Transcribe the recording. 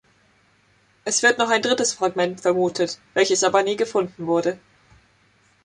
Es wird noch ein drittes Fragment vermutet, welches aber nie gefunden wurde.